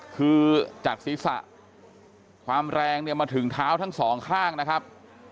คือจัดศีรษะความแรงเนี่ยมาถึงเท้าทั้งสองข้างนะครับ